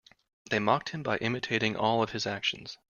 They mocked him by imitating all of his actions.